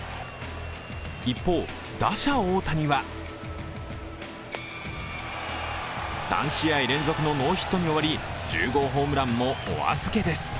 一方、打者・大谷は３試合連続のノーヒットに終わり１０号ホームランもお預けです。